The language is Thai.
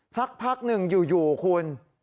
สักพักหนึ่งอยู่คุณ